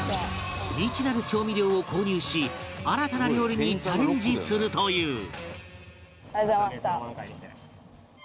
未知なる調味料を購入し新たな料理にチャレンジするという